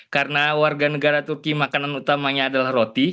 karena warga negara turki makanan utamanya adalah roti